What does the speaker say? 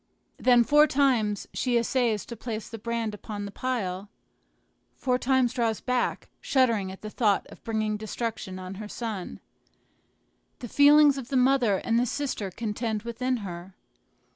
Then four times she essays to place the brand upon the pile; four times draws back, shuddering at the thought of bringing destruction on her son. The feelings of the mother and the sister contend within her.